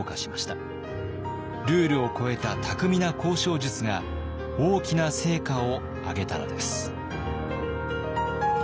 ルールを超えた巧みな交渉術が大きな成果を上げたのです。